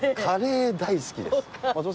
カレー大好きです。